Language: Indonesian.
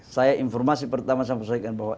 saya informasi pertama saya sampaikan bahwa